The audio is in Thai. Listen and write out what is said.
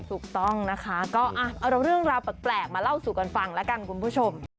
ถูกต้องนะคะก็เอาเรื่องราวแปลกมาเล่าสู่กันฟังแล้วกันคุณผู้ชม